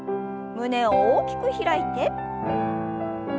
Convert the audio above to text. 胸を大きく開いて。